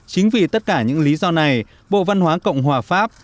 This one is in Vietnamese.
chính vì tất cả những lý do này bộ văn hóa cộng hòa pháp